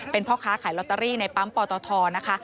เป็นพ่อค้าขายลอตเตอรี่ในปั๊มปตทนะคะ